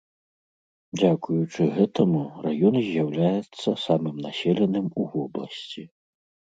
Дзякуючы гэтаму раён з'яўляецца самым населеным у вобласці.